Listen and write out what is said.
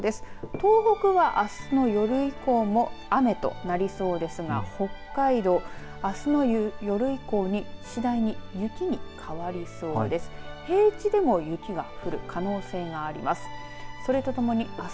東北はあすの夜以降も雨となりそうですが北海道、あすの夜以降に次第に雪に変わりそうです。